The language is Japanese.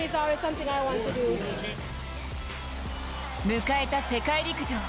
迎えた世界陸上。